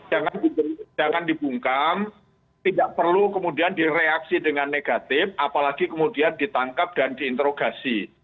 jangan dibungkam tidak perlu kemudian direaksi dengan negatif apalagi kemudian ditangkap dan diinterogasi